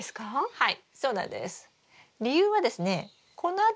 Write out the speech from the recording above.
はい。